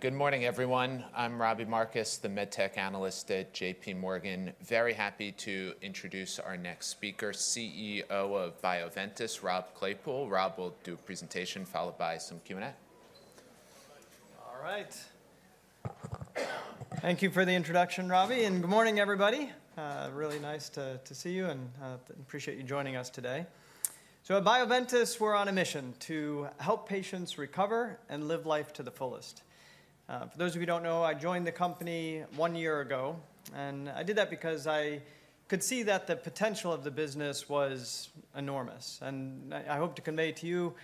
Good morning, everyone. I'm Robbie Marcus, the MedTech analyst at JPMorgan. Very happy to introduce our next speaker, CEO of Bioventus, Rob Claypoole. Rob will do a presentation followed by some Q&A. Thank you for the introduction, Robbie. Good morning, everybody. Really nice to see you, and I appreciate you joining us today. At Bioventus, we're on a mission to help patients recover and live life to the fullest. For those of you who don't know, I joined the company one year ago. I did that because I could see that the potential of the business was enormous. I hope to convey to you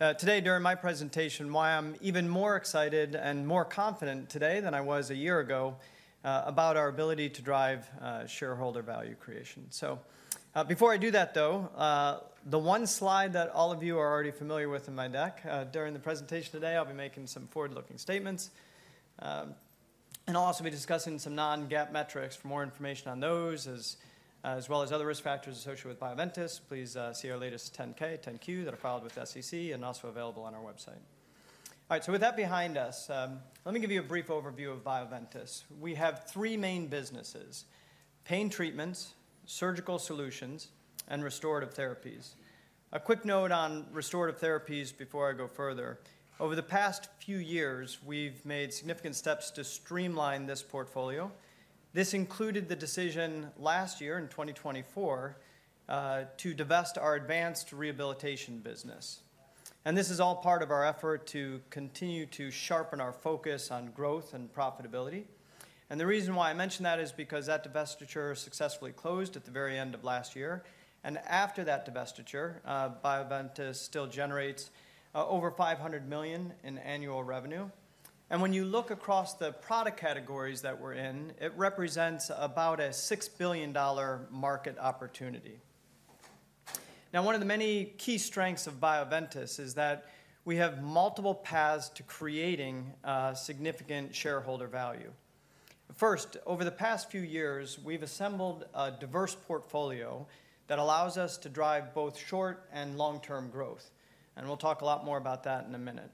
today, during my presentation, why I'm even more excited and more confident today than I was a year ago about our ability to drive shareholder value creation. Before I do that, though, the one slide that all of you are already familiar with in my deck. During the presentation today, I'll be making some forward-looking statements. I'll also be discussing some Non-GAAP metrics. For more information on those, as well as other risk factors associated with Bioventus, please see our latest 10-K, 10-Q that are filed with SEC and also available on our website. All right, so with that behind us, let me give you a brief overview of Bioventus. We have three main businesses: Pain Treatments, Surgical Solutions, and Restorative Therapies. A quick note on Restorative Therapies before I go further. Over the past few years, we've made significant steps to streamline this portfolio. This included the decision last year in 2024 to divest our Advanced Rehabilitation business. This is all part of our effort to continue to sharpen our focus on growth and profitability. The reason why I mention that is because that divestiture successfully closed at the very end of last year. After that divestiture, Bioventus still generates over $500 million in annual revenue. When you look across the product categories that we're in, it represents about a $6 billion market opportunity. Now, one of the many key strengths of Bioventus is that we have multiple paths to creating significant shareholder value. First, over the past few years, we've assembled a diverse portfolio that allows us to drive both short and long-term growth. We'll talk a lot more about that in a minute.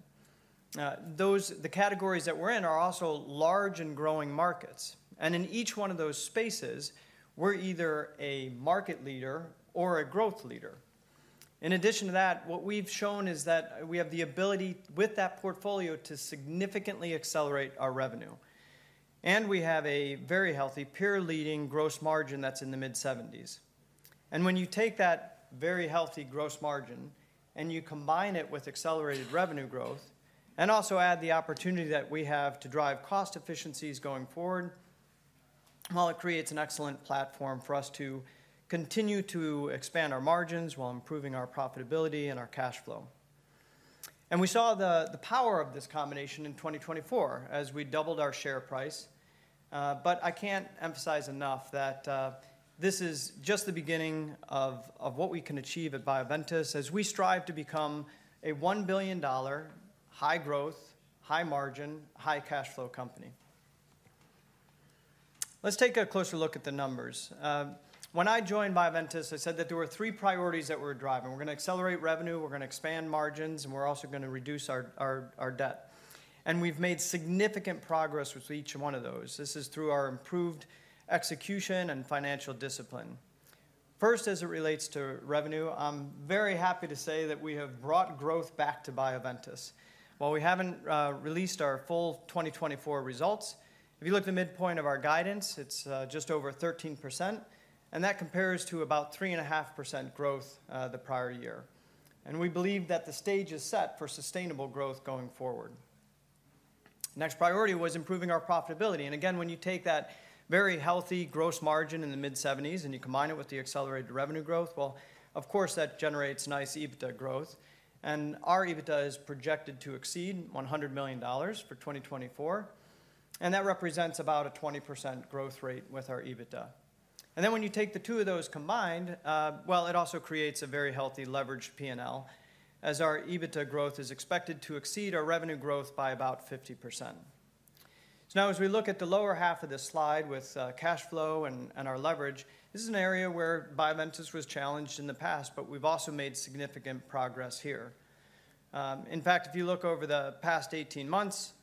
The categories that we're in are also large and growing markets. In each one of those spaces, we're either a market leader or a growth leader. In addition to that, what we've shown is that we have the ability, with that portfolio, to significantly accelerate our revenue. We have a very healthy, peer-leading gross margin that's in the mid-70s. When you take that very healthy gross margin and you combine it with accelerated revenue growth, and also add the opportunity that we have to drive cost efficiencies going forward, well, it creates an excellent platform for us to continue to expand our margins while improving our profitability and our cash flow. We saw the power of this combination in 2024 as we doubled our share price. But I can't emphasize enough that this is just the beginning of what we can achieve at Bioventus as we strive to become a $1 billion high-growth, high-margin, high-cash flow company. Let's take a closer look at the numbers. When I joined Bioventus, I said that there were three priorities that we were driving. We're going to accelerate revenue, we're going to expand margins, and we're also going to reduce our debt. We've made significant progress with each one of those. This is through our improved execution and financial discipline. First, as it relates to revenue, I'm very happy to say that we have brought growth back to Bioventus. While we haven't released our full 2024 results, if you look at the midpoint of our guidance, it's just over 13%. That compares to about 3.5% growth the prior year. We believe that the stage is set for sustainable growth going forward. Next priority was improving our profitability. When you take that very healthy gross margin in the mid-70s and you combine it with the accelerated revenue growth, well, of course, that generates nice EBITDA growth. Our EBITDA is projected to exceed $100 million for 2024. That represents about a 20% growth rate with our EBITDA. When you take the two of those combined, well, it also creates a very healthy leveraged P&L, as our EBITDA growth is expected to exceed our revenue growth by about 50%. Now, as we look at the lower half of this slide with cash flow and our leverage, this is an area where Bioventus was challenged in the past, but we've also made significant progress here. In fact, if you look over the past 18 months,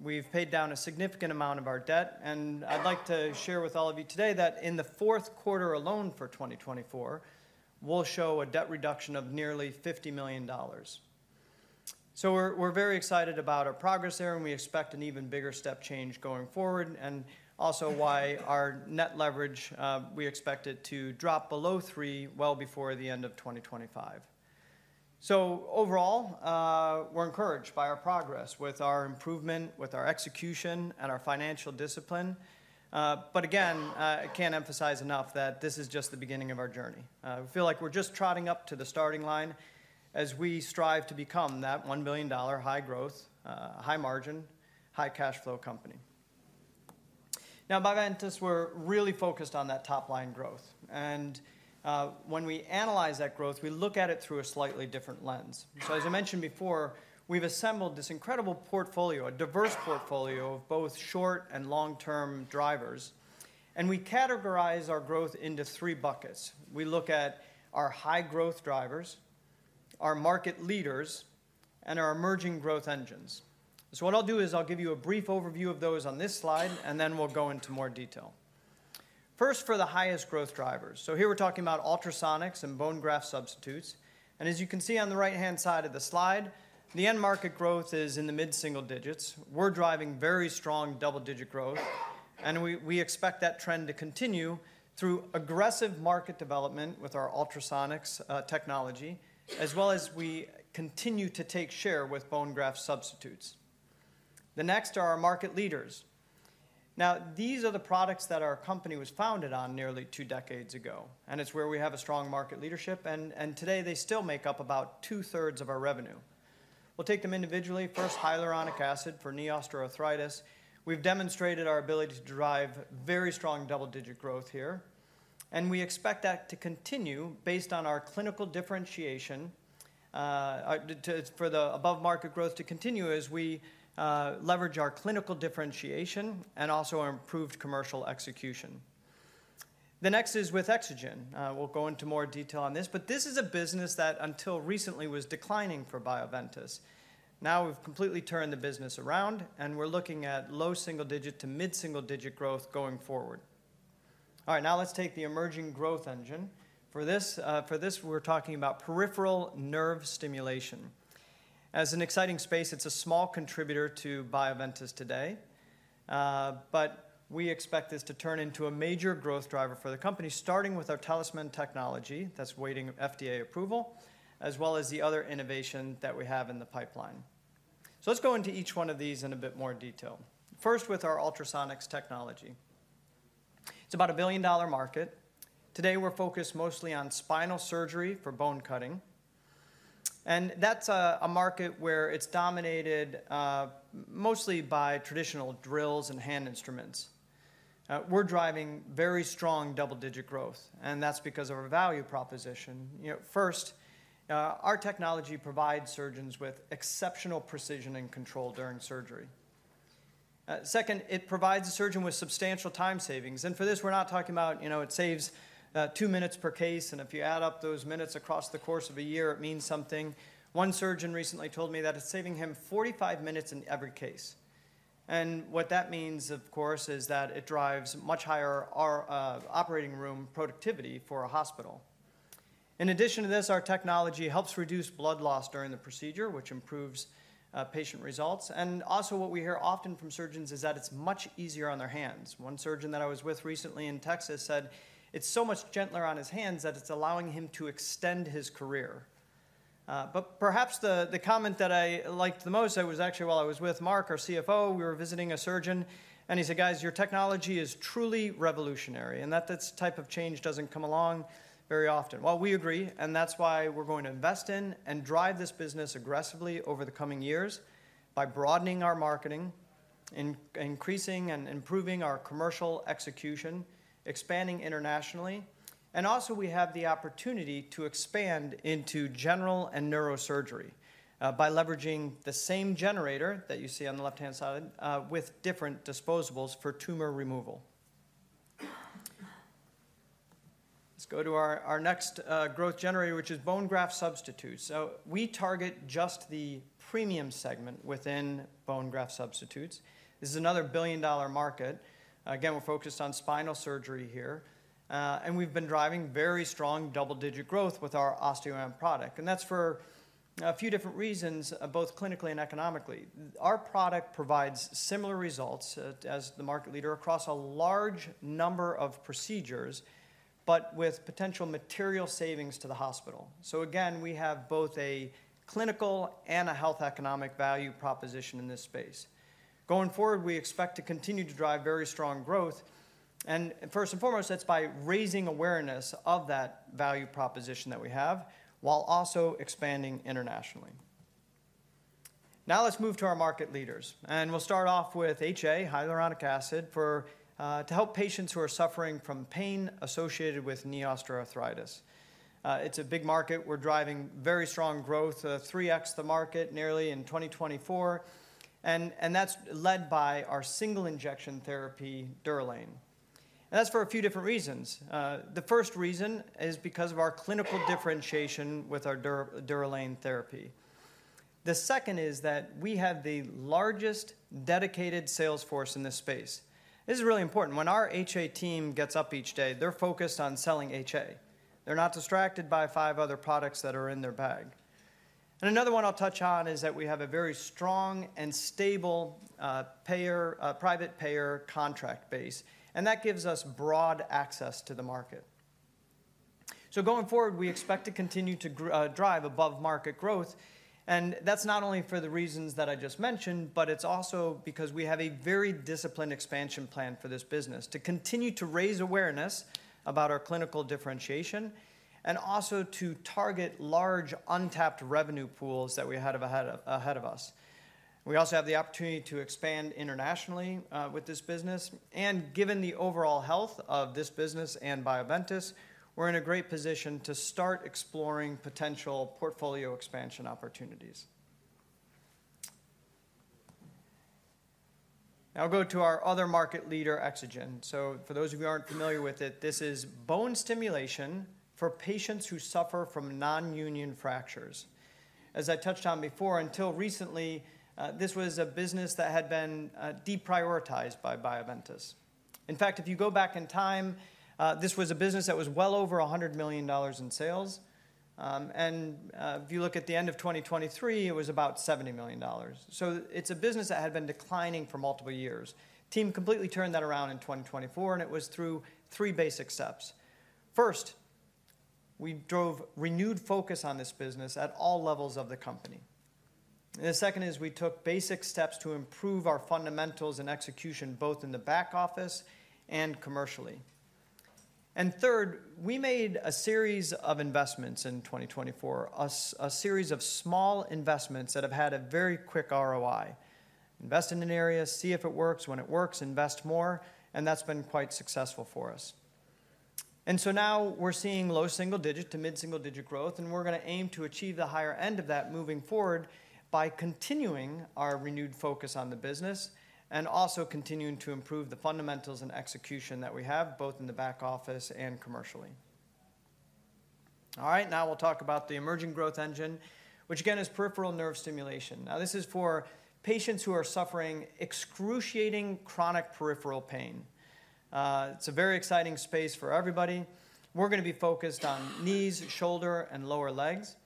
we've paid down a significant amount of our debt. I'd like to share with all of you today that in the fourth quarter alone for 2024, we'll show a debt reduction of nearly $50 million. We're very excited about our progress there, and we expect an even bigger step change going forward, and also why our net leverage, we expect it to drop below three well before the end of 2025. Overall, we're encouraged by our progress with our improvement, with our execution, and our financial discipline. But again, I can't emphasize enough that this is just the beginning of our journey. We feel like we're just trotting up to the starting line as we strive to become that $1 billion high-growth, high-margin, high-cash flow company. Now, Bioventus, we're really focused on that top-line growth. When we analyze that growth, we look at it through a slightly different lens. As I mentioned before, we've assembled this incredible portfolio, a diverse portfolio of both short and long-term drivers. We categorize our growth into three buckets. We look at our high-growth drivers, our market leaders, and our emerging growth engines. What I'll do is I'll give you a brief overview of those on this slide, and then we'll go into more detail. First, for the highest growth drivers. Here we're talking about ultrasonics and bone graft substitutes. As you can see on the right-hand side of the slide, the end market growth is in the mid-single digits. We're driving very strong double-digit growth. We expect that trend to continue through aggressive market development with our ultrasonics technology, as well as we continue to take share with bone graft substitutes. The next are our market leaders. Now, these are the products that our company was founded on nearly two decades ago. It's where we have a strong market leadership. Today, they still make up about two-thirds of our revenue. We'll take them individually. First, hyaluronic acid for knee osteoarthritis. We've demonstrated our ability to drive very strong double-digit growth here, and we expect that to continue based on our clinical differentiation. For the above-market growth to continue, we leverage our clinical differentiation and also our improved commercial execution. The next is with Exogen. We'll go into more detail on this, but this is a business that until recently was declining for Bioventus. Now we've completely turned the business around, and we're looking at low single-digit to mid-single-digit growth going forward. All right, now let's take the emerging growth engine. For this, we're talking about peripheral nerve stimulation. It's an exciting space; it's a small contributor to Bioventus today. We expect this to turn into a major growth driver for the company, starting with our Talisman technology that's awaiting FDA approval, as well as the other innovation that we have in the pipeline. Let's go into each one of these in a bit more detail. First, with our ultrasonics technology. It's a $1 billion market. Today, we're focused mostly on spinal surgery for bone cutting. That's a market where it's dominated mostly by traditional drills and hand instruments. We're driving very strong double-digit growth. That's because of our value proposition. First, our technology provides surgeons with exceptional precision and control during surgery. Second, it provides the surgeon with substantial time savings. We're not talking about it saves two minutes per case. If you add up those minutes across the course of a year, it means something. One surgeon recently told me that it's saving him 45 minutes in every case. What that means, of course, is that it drives much higher operating room productivity for a hospital. In addition to this, our technology helps reduce blood loss during the procedure, which improves patient results. What we hear often from surgeons is that it's much easier on their hands. One surgeon that I was with recently in Texas said it's so much gentler on his hands that it's allowing him to extend his career. But perhaps the comment that I liked the most was actually while I was with Mark, our CFO. We were visiting a surgeon, and he said, "Guys, your technology is truly revolutionary." That type of change doesn't come along very often. We agree. That's why we're going to invest in and drive this business aggressively over the coming years by broadening our marketing, increasing and improving our commercial execution, expanding internationally. We have the opportunity to expand into general and neurosurgery by leveraging the same generator that you see on the left-hand side with different disposables for tumor removal. Let's go to our next growth generator, which is bone graft substitutes. We target just the premium segment within bone graft substitutes. This is another billion-dollar market. We're focused on spinal surgery here. We've been driving very strong double-digit growth with our OsteoAMP product. That's for a few different reasons, both clinically and economically. Our product provides similar results as the market leader across a large number of procedures, but with potential material savings to the hospital. We have both a clinical and a health economic value proposition in this space. Going forward, we expect to continue to drive very strong growth. First and foremost, that's by raising awareness of that value proposition that we have while also expanding internationally. Now let's move to our market leaders. We'll start off with HA, hyaluronic acid, to help patients who are suffering from pain associated with knee osteoarthritis. It's a big market. We're driving very strong growth, 3x the market nearly in 2024. That's led by our single injection therapy, Durolane. That's for a few different reasons. The first reason is because of our clinical differentiation with our Durolane therapy. The second is that we have the largest dedicated sales force in this space. This is really important. When our HA team gets up each day, they're focused on selling HA. They're not distracted by five other products that are in their bag, and another one I'll touch on is that we have a very strong and stable private payer contract base, and that gives us broad access to the market, so going forward, we expect to continue to drive above-market growth, and that's not only for the reasons that I just mentioned, but it's also because we have a very disciplined expansion plan for this business to continue to raise awareness about our clinical differentiation and also to target large untapped revenue pools that we had ahead of us. We also have the opportunity to expand internationally with this business, and given the overall health of this business and Bioventus, we're in a great position to start exploring potential portfolio expansion opportunities. Now I'll go to our other market leader, Exogen. Those of you who aren't familiar with it, this is bone stimulation for patients who suffer from non-union fractures. As I touched on before, until recently, this was a business that had been deprioritized by Bioventus. In fact, if you go back in time, this was a business that was well over $100 million in sales. If you look at the end of 2023, it was about $70 million. It's a business that had been declining for multiple years. The team completely turned that around in 2024, and it was through three basic steps. First, we drove renewed focus on this business at all levels of the company. The second is we took basic steps to improve our fundamentals and execution both in the back office and commercially. Third, we made a series of investments in 2024, a series of small investments that have had a very quick ROI. Invest in an area, see if it works. When it works, invest more. That's been quite successful for us. Now we're seeing low single-digit to mid-single-digit growth. We're going to aim to achieve the higher end of that moving forward by continuing our renewed focus on the business and also continuing to improve the fundamentals and execution that we have both in the back office and commercially. All right, now we'll talk about the emerging growth engine, which again is peripheral nerve stimulation. Now, this is for patients who are suffering excruciating chronic peripheral pain. It's a very exciting space for everybody. We're going to be focused on knees, shoulder, and lower legs.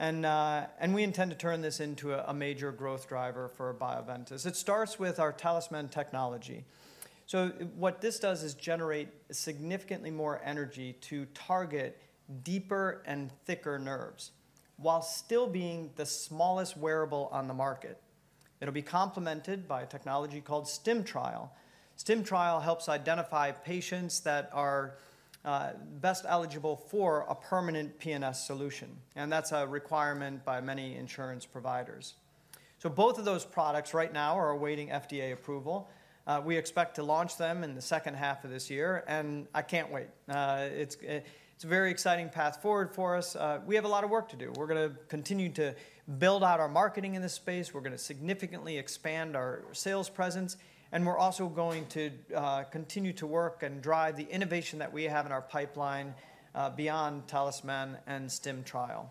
We intend to turn this into a major growth driver for Bioventus. It starts with our Talisman technology. What this does is generate significantly more energy to target deeper and thicker nerves while still being the smallest wearable on the market. It'll be complemented by a technology called StimTrial. StimTrial helps identify patients that are best eligible for a permanent PNS solution. That's a requirement by many insurance providers. Both of those products right now are awaiting FDA approval. We expect to launch them in the second half of this year. I can't wait. It's a very exciting path forward for us. We have a lot of work to do. We're going to continue to build out our marketing in this space. We're going to significantly expand our sales presence. We're also going to continue to work and drive the innovation that we have in our pipeline beyond Talisman and StimTrial.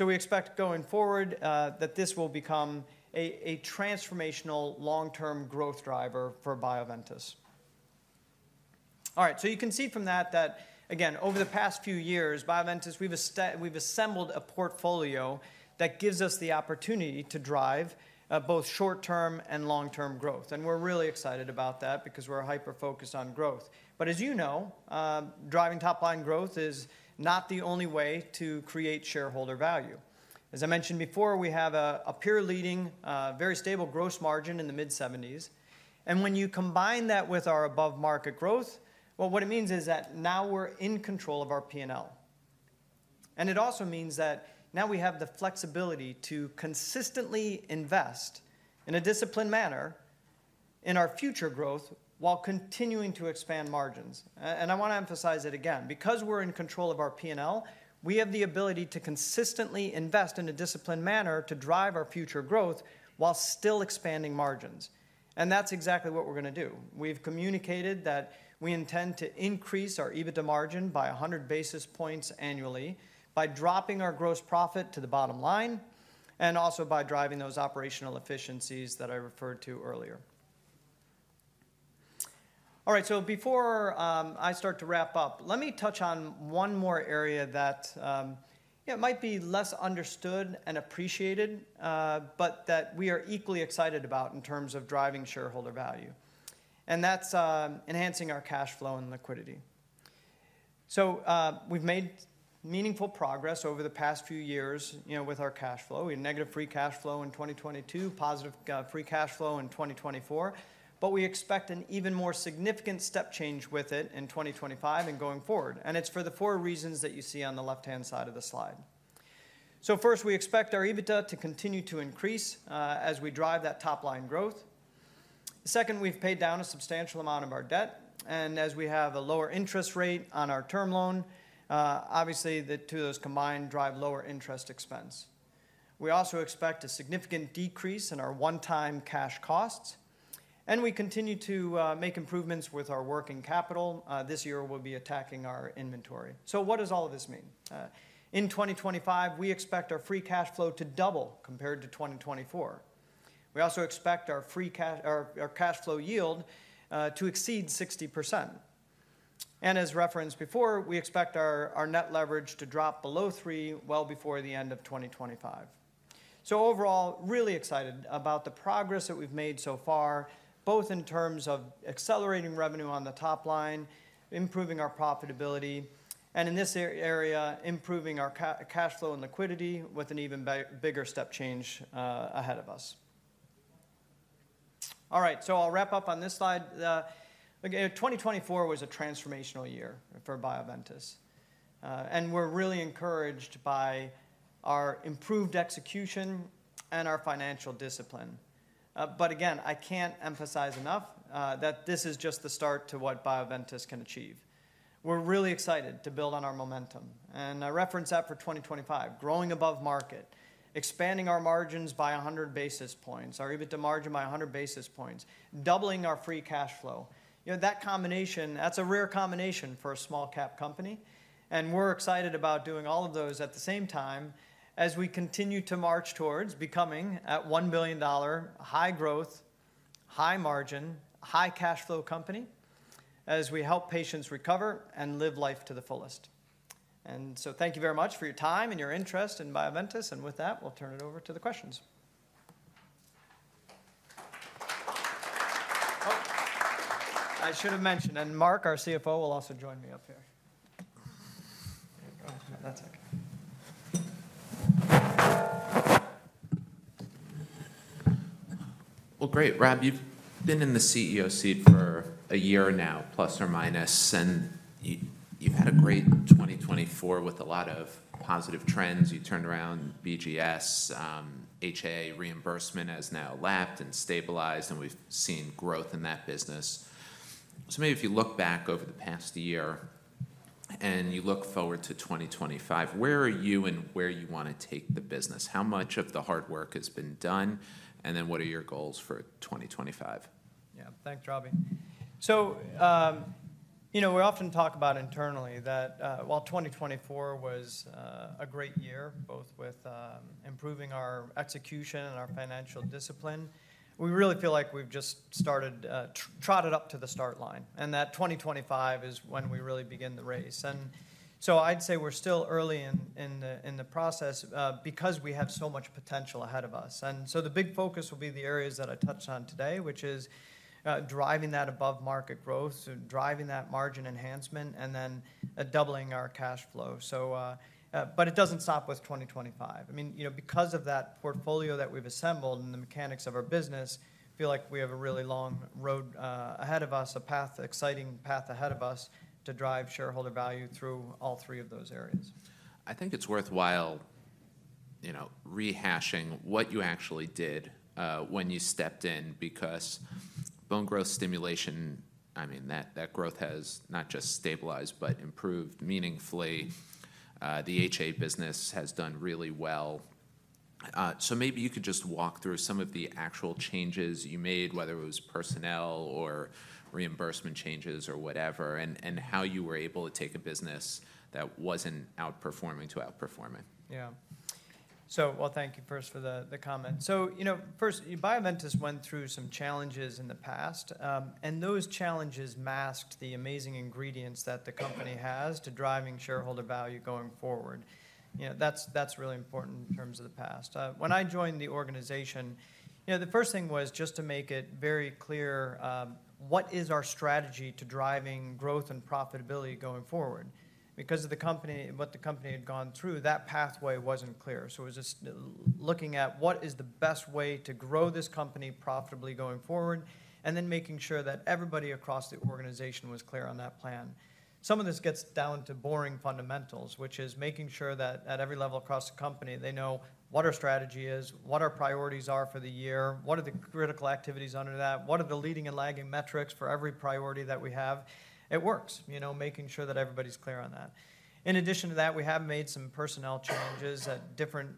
We expect going forward that this will become a transformational long-term growth driver for Bioventus. All right, you can see from that that, again, over the past few years, Bioventus, we've assembled a portfolio that gives us the opportunity to drive both short-term and long-term growth. We're really excited about that because we're hyper-focused on growth. But as you know, driving top-line growth is not the only way to create shareholder value. As I mentioned before, we have a peer-leading, very stable gross margin in the mid-70s. When you combine that with our above-market growth, what it means is that now we're in control of our P&L. It also means that now we have the flexibility to consistently invest in a disciplined manner in our future growth while continuing to expand margins. I want to emphasize it again. Because we're in control of our P&L, we have the ability to consistently invest in a disciplined manner to drive our future growth while still expanding margins. That's exactly what we're going to do. We've communicated that we intend to increase our EBITDA margin by 100 basis points annually by dropping our gross profit to the bottom line and also by driving those operational efficiencies that I referred to earlier. Before I start to wrap up, let me touch on one more area that might be less understood and appreciated, but that we are equally excited about in terms of driving shareholder value. That's enhancing our cash flow and liquidity. We've made meaningful progress over the past few years with our cash flow. We had negative free cash flow in 2022, positive free cash flow in 2024. But we expect an even more significant step change with it in 2025 and going forward. It's for the four reasons that you see on the left-hand side of the slide. First, we expect our EBITDA to continue to increase as we drive that top-line growth. Second, we've paid down a substantial amount of our debt. As we have a lower interest rate on our term loan, obviously, the two of those combined drive lower interest expense. We also expect a significant decrease in our one-time cash costs. We continue to make improvements with our working capital. This year, we'll be attacking our inventory. What does all of this mean? In 2025, we expect our free cash flow to double compared to 2024. We also expect our cash flow yield to exceed 60%. As referenced before, we expect our net leverage to drop below 3 well before the end of 2025. Overall, really excited about the progress that we've made so far, both in terms of accelerating revenue on the top line, improving our profitability, and in this area, improving our cash flow and liquidity with an even bigger step change ahead of us. I'll wrap up on this slide. 2024 was a transformational year for Bioventus. We're really encouraged by our improved execution and our financial discipline. But again, I can't emphasize enough that this is just the start to what Bioventus can achieve. We're really excited to build on our momentum. I referenced that for 2025, growing above market, expanding our margins by 100 basis points, our EBITDA margin by 100 basis points, doubling our free cash flow. That combination, that's a rare combination for a small-cap company. We're excited about doing all of those at the same time as we continue to march towards becoming a $1 billion high-growth, high-margin, high-cash flow company as we help patients recover and live life to the fullest. Thank you very much for your time and your interest in Bioventus. With that, we'll turn it over to the questions. I should have mentioned, and Mark, our CFO, will also join me up here. Great. Rob, you've been in the CEO seat for a year now, plus or minus. You've had a great 2024 with a lot of positive trends. You turned around BGS, HA reimbursement has now lapped and stabilized, and we've seen growth in that business. If you look back over the past year and you look forward to 2025, where are you and where you want to take the business? How much of the hard work has been done? What are your goals for 2025? Thanks, Robbie. We often talk about internally that while 2024 was a great year, both with improving our execution and our financial discipline, we really feel like we've just trotted up to the start line. 2025 is when we really begin the race. I'd say we're still early in the process because we have so much potential ahead of us. The big focus will be the areas that I touched on today, which is driving that above-market growth, driving that margin enhancement, and then doubling our cash flow. It doesn't stop with 2025. Because of that portfolio that we've assembled and the mechanics of our business, I feel like we have a really long road ahead of us, an exciting path ahead of us to drive shareholder value through all three of those areas. It's worthwhile rehashing what you actually did when you stepped in because bone growth stimulation, That growth has not just stabilized but improved meaningfully. The HA business has done really well. You could just walk through some of the actual changes you made, whether it was personnel or reimbursement changes or whatever, and how you were able to take a business that wasn't outperforming to outperform it. Thank you first for the comment. First, Bioventus went through some challenges in the past. Those challenges masked the amazing ingredients that the company has to driving shareholder value going forward. That's really important in terms of the past. When I joined the organization, the first thing was just to make it very clear what is our strategy to driving growth and profitability going forward. Because of what the company had gone through, that pathway wasn't clear. It was just looking at what is the best way to grow this company profitably going forward and then making sure that everybody across the organization was clear on that plan. Some of this gets down to boring fundamentals, which is making sure that at every level across the company, they know what our strategy is, what our priorities are for the year, what are the critical activities under that, what are the leading and lagging metrics for every priority that we have. It works, making sure that everybody's clear on that. In addition to that, we have made some personnel changes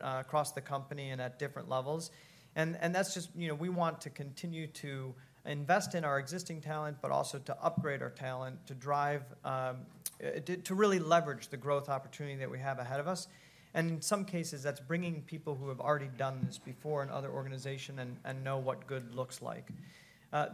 across the company and at different levels, and that's just we want to continue to invest in our existing talent, but also to upgrade our talent to really leverage the growth opportunity that we have ahead of us, and in some cases, that's bringing people who have already done this before in other organizations and know what good looks like.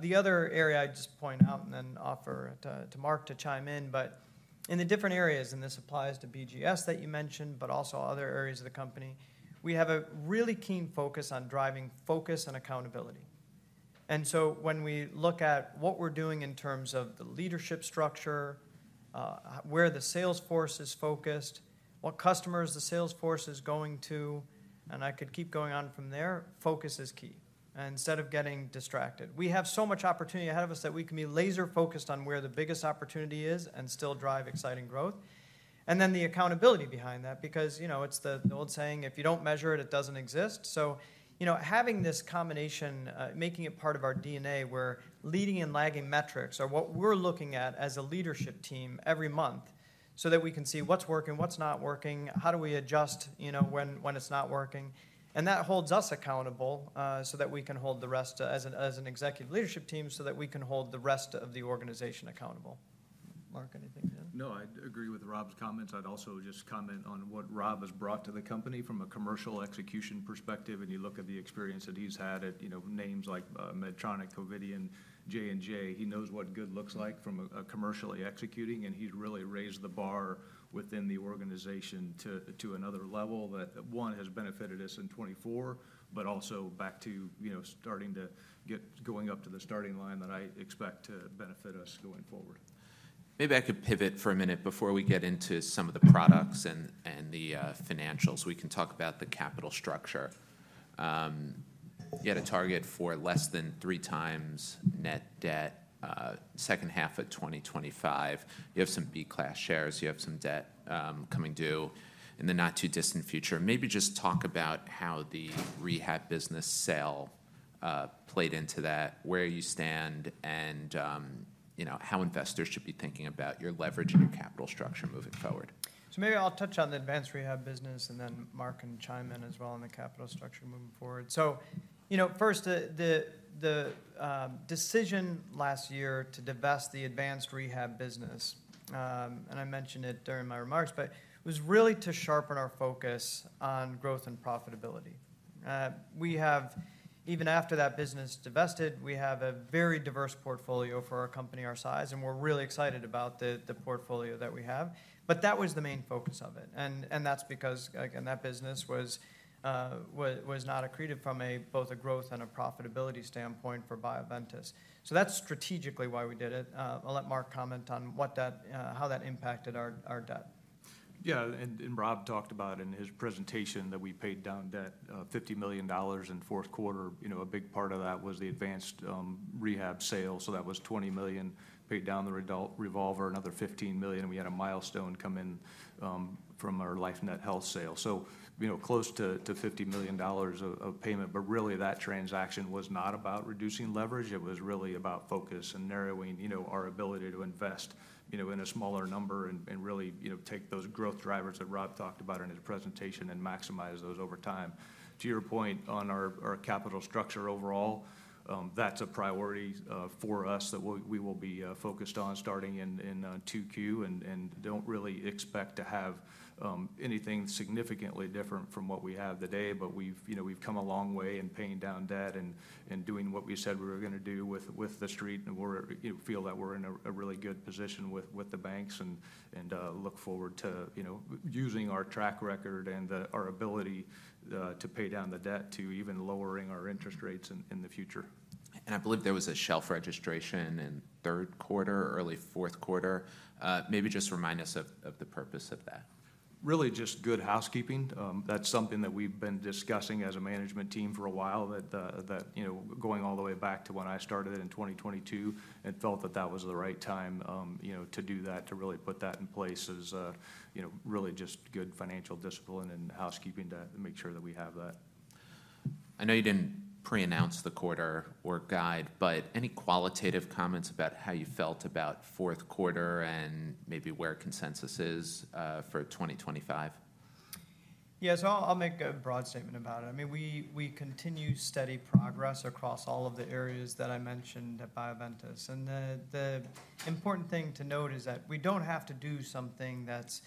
The other area I'd just point out and then offer to Mark to chime in, but in the different areas, and this applies to BGS that you mentioned, but also other areas of the company, we have a really keen focus on driving focus and accountability. When we look at what we're doing in terms of the leadership structure, where the sales force is focused, what customers the sales force is going to, and I could keep going on from there, focus is key. Instead of getting distracted, we have so much opportunity ahead of us that we can be laser-focused on where the biggest opportunity is and still drive exciting growth. The accountability behind that because it's the old saying, if you don't measure it, it doesn't exist. Having this combination, making it part of our DNA, where leading and lagging metrics are what we're looking at as a leadership team every month, so that we can see what's working, what's not working, how do we adjust when it's not working, and that holds us accountable so that we can hold the rest as an executive leadership team so that we can hold the rest of the organization accountable. Mark, anything to add? I'd agree with Rob's comments. I'd also just comment on what Rob has brought to the company from a commercial execution perspective. You look at the experience that he's had at names like Medtronic, Covidien, J&J. He knows what good looks like from a commercially executing. He's really raised the bar within the organization to another level that, one, has benefited us in 2024, but also back to starting to get going up to the starting line that I expect to benefit us going forward. I could pivot for a minute before we get into some of the products and the financials. We can talk about the capital structure. You had a target for less than three times net debt second half of 2025. You have some B-Class shares. You have some debt coming due in the not-too-distant future. Just talk about how the rehab business sale played into that, where you stand, and how investors should be thinking about your leverage and your capital structure moving forward? I'll touch on the Advanced Rehab business and then Mark can chime in as well on the capital structure moving forward. First, the decision last year to divest the Advanced Rehab business, and I mentioned it during my remarks, but it was really to sharpen our focus on growth and profitability. Even after that business divested, we have a very diverse portfolio for our company our size. We're really excited about the portfolio that we have. But that was the main focus of it. That's because, again, that business was not accretive from both a growth and a profitability standpoint for Bioventus. That's strategically why we did it. I'll let Mark comment on how that impacted our debt. Rob talked about in his presentation that we paid down debt $50 million in fourth quarter. A big part of that was the Advanced Rehab sale. That was $20 million paid down the revolver, another $15 million. We had a milestone come in from our LifeNet Health sale. We are close to $50 million of payment. But really, that transaction was not about reducing leverage. It was really about focus and narrowing our ability to invest in a smaller number and really take those growth drivers that Rob talked about in his presentation and maximize those over time. To your point on our capital structure overall, that's a priority for us that we will be focused on starting in Q2. Don't really expect to have anything significantly different from what we have today. But we've come a long way in paying down debt and doing what we said we were going to do with the street. We feel that we're in a really good position with the banks and look forward to using our track record and our ability to pay down the debt to even lowering our interest rates in the future. I believe there was a shelf registration in third quarter, early fourth quarter. Maybe just remind us of the purpose of that? Really just good housekeeping. That's something that we've been discussing as a management team for a while, going all the way back to when I started in 2022 and felt that that was the right time to do that, to really put that in place as really just good financial discipline and housekeeping to make sure that we have that. I know you didn't pre-announce the quarter or guide, but any qualitative comments about how you felt about fourth quarter and maybe where consensus is for 2025? I'll make a broad statement about it. We continue steady progress across all of the areas that I mentioned at Bioventus. The important thing to note is that we don't have to do something that's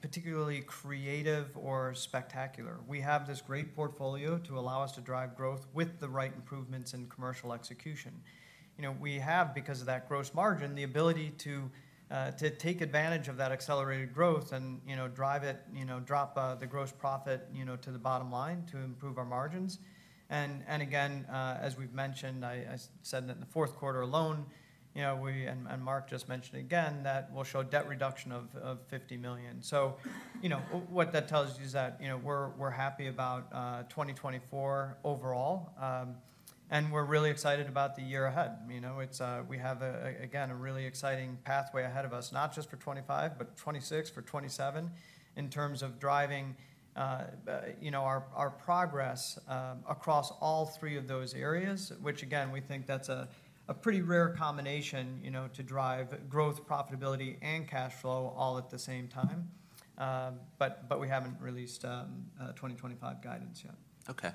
particularly creative or spectacular. We have this great portfolio to allow us to drive growth with the right improvements in commercial execution. We have, because of that gross margin, the ability to take advantage of that accelerated growth and drive it, drop the gross profit to the bottom line to improve our margins. As we've mentioned, I said that in the fourth quarter alone, and Mark just mentioned again, that we'll show debt reduction of $50 million. What that tells you is that we're happy about 2024 overall. We're really excited about the year ahead. We have a really exciting pathway ahead of us, not just for 2025, but 2026, for 2027, in terms of driving our progress across all three of those areas, which, again, we think that's a pretty rare combination to drive growth, profitability, and cash flow all at the same time. But we haven't released 2025 guidance yet.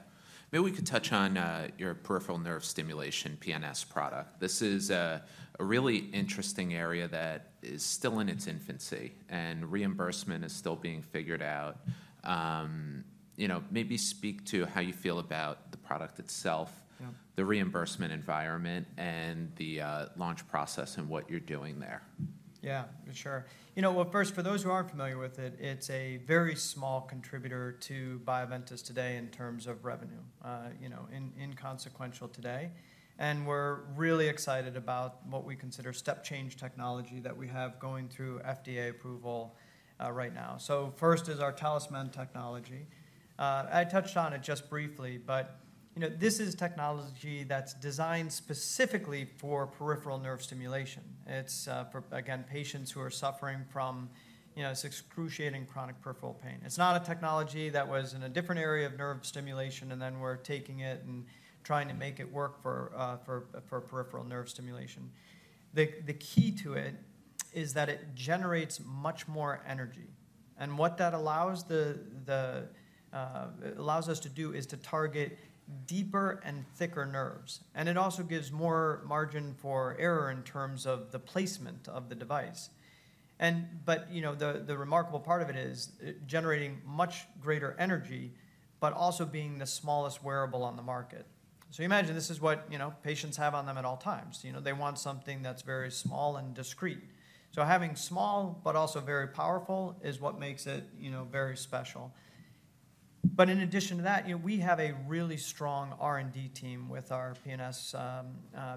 We could touch on your peripheral nerve stimulation PNS product. This is a really interesting area that is still in its infancy and reimbursement is still being figured out. Maybe speak to how you feel about the product itself, the reimbursement environment, and the launch process and what you're doing there. First, for those who aren't familiar with it, it's a very small contributor to Bioventus today in terms of revenue, inconsequential today. We're really excited about what we consider step-change technology that we have going through FDA approval right now. First is our Talisman technology. I touched on it just briefly, but this is technology that's designed specifically for peripheral nerve stimulation. It's, again, patients who are suffering from excruciating chronic peripheral pain. It's not a technology that was in a different area of nerve stimulation, and then we're taking it and trying to make it work for peripheral nerve stimulation. The key to it is that it generates much more energy. What that allows us to do is to target deeper and thicker nerves. It also gives more margin for error in terms of the placement of the device. The remarkable part of it is generating much greater energy, but also being the smallest wearable on the market. Imagine this is what patients have on them at all times. They want something that's very small and discreet. Having small, but also very powerful, is what makes it very special. But in addition to that, we have a really strong R&D team with our PNS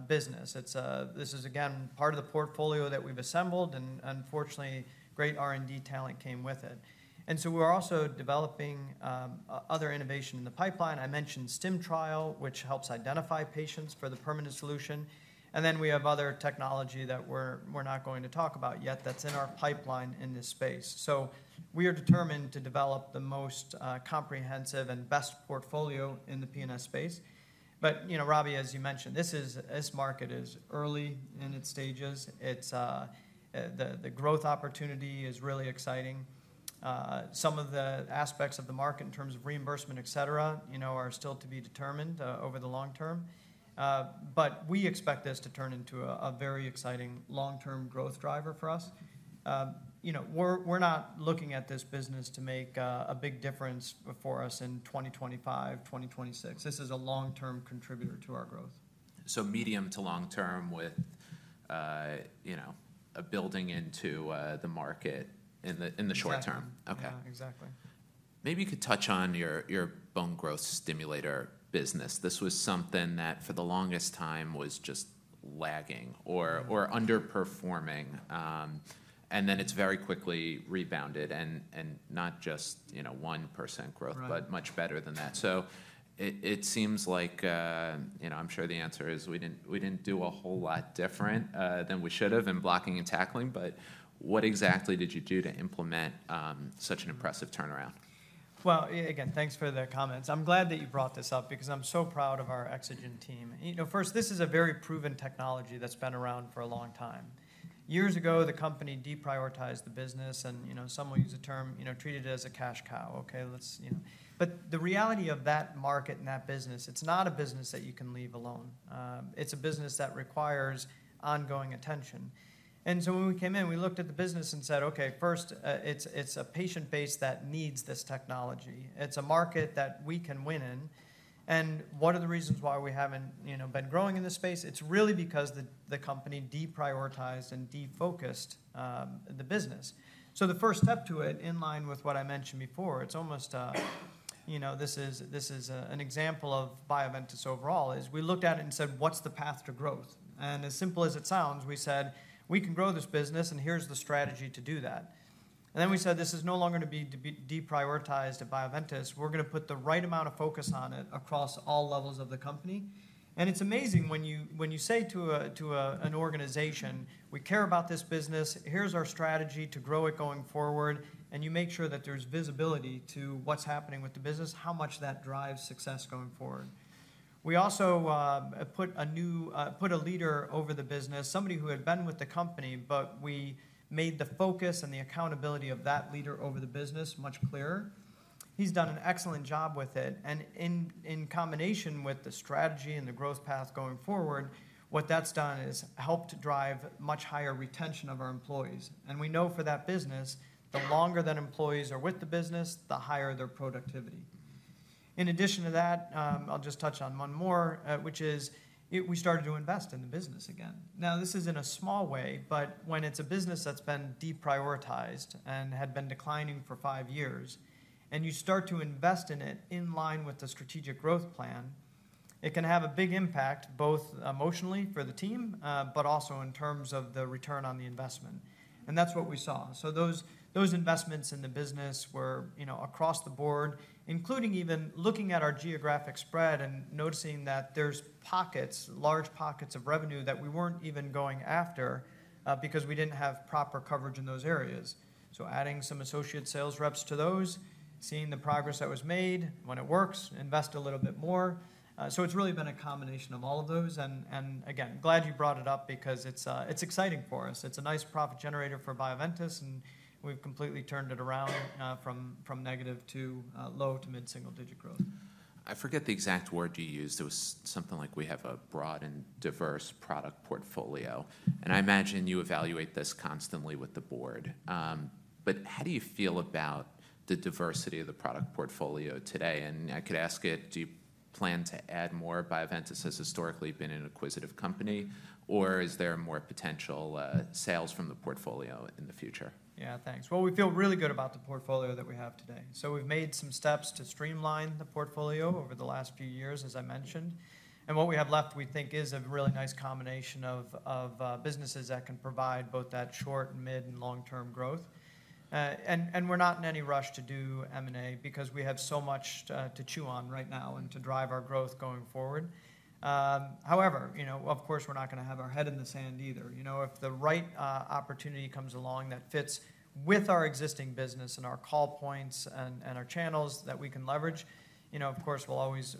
business. This is, again, part of the portfolio that we've assembled. Unfortunately, great R&D talent came with it. We're also developing other innovation in the pipeline. I mentioned StimTrial, which helps identify patients for the permanent solution. We have other technology that we're not going to talk about yet that's in our pipeline in this space. We are determined to develop the most comprehensive and best portfolio in the PNS space. Robbie, as you mentioned, this market is early in its stages. The growth opportunity is really exciting. Some of the aspects of the market in terms of reimbursement, et cetera, are still to be determined over the long term. But we expect this to turn into a very exciting long-term growth driver for us. We're not looking at this business to make a big difference for us in 2025, 2026. This is a long-term contributor to our growth. Medium- to long-term with a building into the market in the short term. Exactly. Okay. Yeah, exactly. You could touch on your bone growth stimulator business. This was something that for the longest time was just lagging or underperforming, and then it's very quickly rebounded and not just 1% growth, but much better than that, so it seems like I'm sure the answer is we didn't do a whole lot different than we should have in blocking and tackling, but what exactly did you do to implement such an impressive turnaround? Well, again, thanks for the comments. I'm glad that you brought this up because I'm so proud of our Exogen team. First, this is a very proven technology that's been around for a long time. Years ago, the company deprioritized the business. Some will use the term, treated it as a cash cow, okay? But the reality of that market and that business, it's not a business that you can leave alone. It's a business that requires ongoing attention. When we came in, we looked at the business and said, okay, first, it's a patient base that needs this technology. It's a market that we can win in. What are the reasons why we haven't been growing in this space? It's really because the company deprioritized and defocused the business. The first step to it, in line with what I mentioned before, it's almost this is an example of Bioventus overall, is we looked at it and said, what's the path to growth? As simple as it sounds, we said, we can grow this business, and here's the strategy to do that. Then we said, this is no longer going to be deprioritized at Bioventus. We're going to put the right amount of focus on it across all levels of the company. It's amazing when you say to an organization, we care about this business, here's our strategy to grow it going forward, and you make sure that there's visibility to what's happening with the business, how much that drives success going forward. We also put a leader over the business, somebody who had been with the company, but we made the focus and the accountability of that leader over the business much clearer. He's done an excellent job with it. In combination with the strategy and the growth path going forward, what that's done is helped drive much higher retention of our employees. We know for that business, the longer that employees are with the business, the higher their productivity. In addition to that, I'll just touch on one more, which is we started to invest in the business again. This is in a small way, but when it's a business that's been deprioritized and had been declining for five years, and you start to invest in it in line with the strategic growth plan, it can have a big impact both emotionally for the team, but also in terms of the return on the investment. That's what we saw. Those investments in the business were across the board, including even looking at our geographic spread and noticing that there's pockets, large pockets of revenue that we weren't even going after because we didn't have proper coverage in those areas. Adding some associate sales reps to those, seeing the progress that was made, when it works, invest a little bit more. It's really been a combination of all of those. Glad you brought it up because it's exciting for us. It's a nice profit generator for Bioventus. We've completely turned it around from negative to low to mid-single-digit growth. I forget the exact word you used. It was something like, "we have a broad and diverse product portfolio." I imagine you evaluate this constantly with the board. But how do you feel about the diversity of the product portfolio today? I could ask it, do you plan to add more? Bioventus has historically been an acquisitive company. Or is there more potential sales from the portfolio in the future? Thanks. Well, we feel really good about the portfolio that we have today. We've made some steps to streamline the portfolio over the last few years, as I mentioned. And what we have left, we think, is a really nice combination of businesses that can provide both that short, mid, and long-term growth. And we're not in any rush to do M&A because we have so much to chew on right now and to drive our growth going forward. However, we're not going to have our head in the sand either. If the right opportunity comes along that fits with our existing business and our call points and our channels that we can leverage, of course, we'll always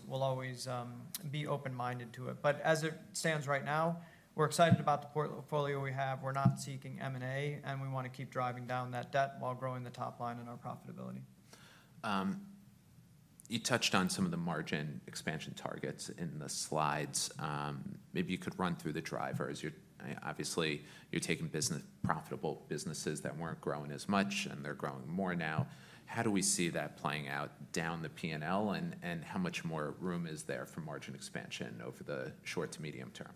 be open-minded to it. As it stands right now, we're excited about the portfolio we have. We're not seeking M&A. We want to keep driving down that debt while growing the top line and our profitability. You touched on some of the margin expansion targets in the slides. Maybe you could run through the drivers. Obviously, you're taking profitable businesses that weren't growing as much, and they're growing more now. How do we see that playing out down the P&L? And how much more room is there for margin expansion over the short to medium term?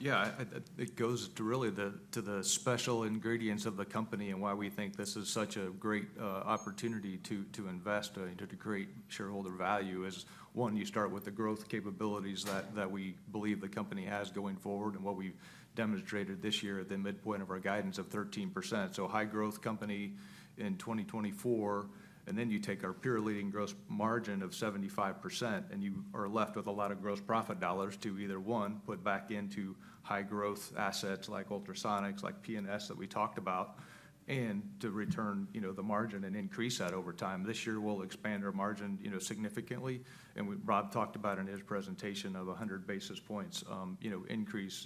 It goes really to the special ingredients of the company and why we think this is such a great opportunity to invest and to create shareholder value. As one, you start with the growth capabilities that we believe the company has going forward and what we've demonstrated this year at the midpoint of our guidance of 13%. So high-growth company in 2024. Then you take our peer-leading gross margin of 75%, and you are left with a lot of gross profit dollars to either, one, put back into high-growth assets like ultrasonics, like PNS that we talked about, and to return the margin and increase that over time. This year, we'll expand our margin significantly. Rob talked about in his presentation of 100 basis points increase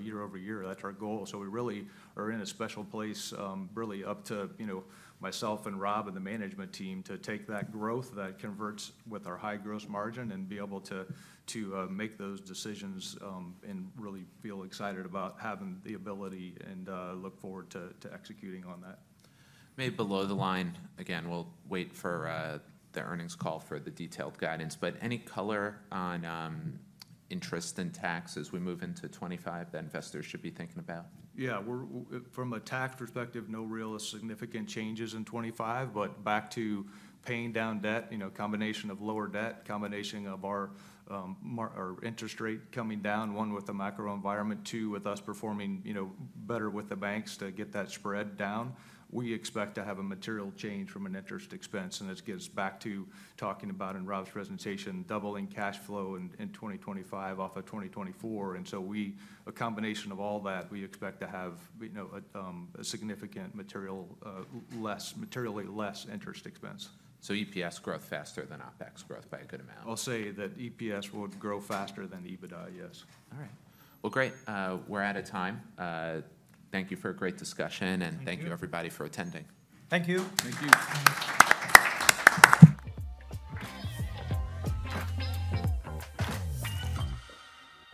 year over year. That's our goal. We really are in a special place. Really, up to myself and Rob and the management team to take that growth that converts with our high gross margin and be able to make those decisions and really feel excited about having the ability and look forward to executing on that. Maybe below the line, again, we'll wait for the earnings call for the detailed guidance. But any color on interest and tax as we move into 2025 that investors should be thinking about? From a tax perspective, no real significant changes in 2025. But back to paying down debt, a combination of lower debt, a combination of our interest rate coming down, one, with the macro environment, two, with us performing better with the banks to get that spread down, we expect to have a material change from an interest expense. This gets back to talking about in Rob's presentation, doubling cash flow in 2025 off of 2024. A combination of all that, we expect to have a significant materially less interest expense. EPS growth faster than OpEx growth by a good amount. I'll say that EPS would grow faster than EBITDA, yes. We're out of time. Thank you for a great discussion. Thank you, everybody, for attending. Thank you. Thank you.